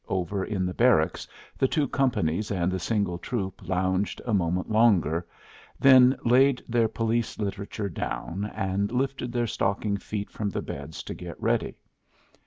Over in the barracks the two companies and the single troop lounged a moment longer, then laid their police literature down, and lifted their stocking feet from the beds to get ready.